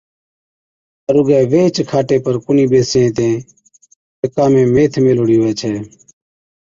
پر رُگِي ويهچ کاٽي پر ڪونھِي ٻيسين ھِتين جڪا ميٿ ميھلوڙِي ھُوَي ڇَي